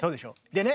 でね